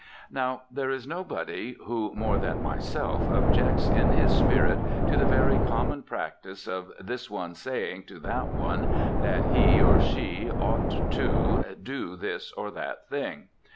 Now, there is nobody who more than myself objects in his spirit to the very common practice of this one's saying to that one that he, or she, "ought to" do this or that thing.